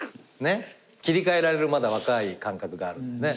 切り替えられるまだ若い感覚があるんだね。